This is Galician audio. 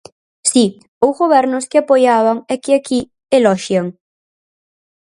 Si, ou gobernos que apoiaban e que aquí eloxian.